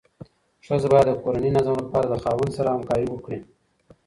ښځه باید د کورني نظم لپاره د خاوند سره همکاري وکړي.